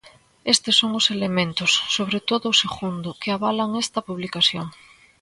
Estes son os elementos, sobre todo o segundo, que avalan esta publicación.